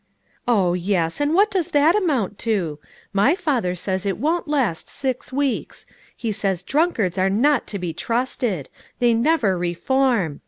" Oh, yes, and what does that amount to? My father says it won't last six weeks; he says drunkards are not to be trusted; they never reform.